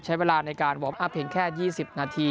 ใช้เวลาในการวอร์มอัพเพียงแค่๒๐นาที